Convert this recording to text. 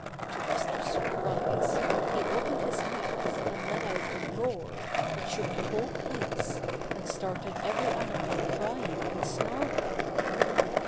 To Buster's surprise he opened his mouth and let out a roar that shook the whole place and started every animal crying and snarling.